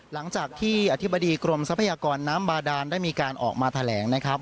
หลังจากที่อธิบดีกรมทรัพยากรน้ำบาดานได้มีการออกมาแถลงนะครับ